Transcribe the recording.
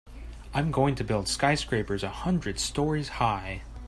I'm going to build skyscrapers a hundred stories high.